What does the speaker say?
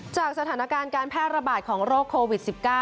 สถานการณ์การแพร่ระบาดของโรคโควิด๑๙